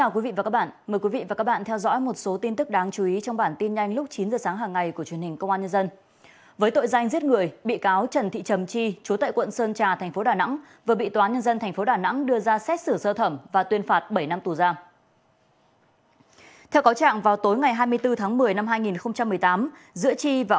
cảm ơn các bạn đã theo dõi